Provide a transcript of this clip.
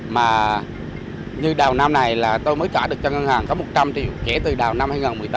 mà như đào năm này là tôi mới trả được cho ngân hàng có một trăm linh triệu kể từ đào năm hai nghìn một mươi tám